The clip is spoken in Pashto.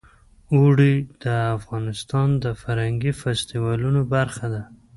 اوړي د افغانستان د فرهنګي فستیوالونو برخه ده.